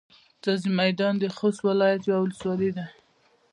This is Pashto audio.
ځاځي میدان د خوست ولایت یوه ولسوالي ده.